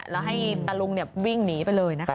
แล้วให้ตะลุงวิ่งหนีไปเลยนะคะ